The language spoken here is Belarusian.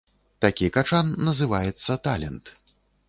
Такі качан называецца талент.